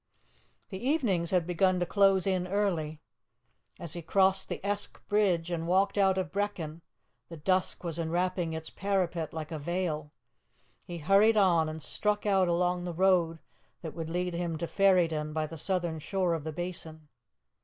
The evenings had begun to close in early. As he crossed the Esk bridge and walked out of Brechin, the dusk was enwrapping its parapet like a veil. He hurried on, and struck out along the road that would lead him to Ferryden by the southern shore of the Basin.